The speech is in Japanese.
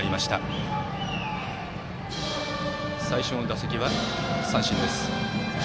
最初の打席は三振です。